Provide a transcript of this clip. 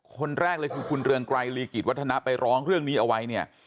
คนแรกเลยคือคุณเรืองไกรลีกิจวัฒนะไปร้องเรื่องนี้เอาไว้เนี่ย